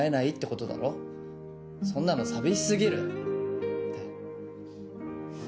「そんなの寂し過ぎる」って。